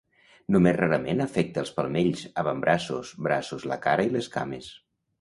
Només rarament afecta els palmells, avantbraços, braços, la cara i les cames.